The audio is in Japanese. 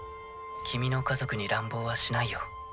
君の家族に乱暴はしないよ。